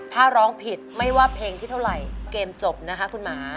ถ้าร้องผิดไม่ว่าเพลงที่เท่าไหร่เกมจบนะคะคุณหมา